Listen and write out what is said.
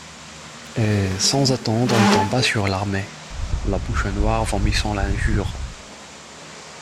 Et, sans attendre, elle tomba sur l’armée, la bouche noire, vomissant l’injure.